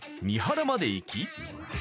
三原まで行き